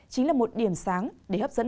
chính là một điểm sáng để hấp dẫn